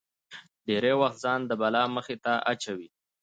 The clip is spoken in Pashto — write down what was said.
ډېری وخت ځان د بلا مخې ته اچوي.